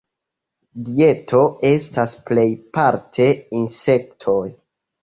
Dieto estas plejparte insektoj.